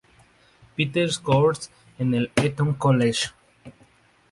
Peter's Court y en el Eton College.